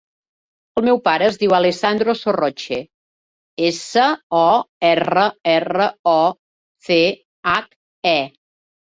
El meu pare es diu Alessandro Sorroche: essa, o, erra, erra, o, ce, hac, e.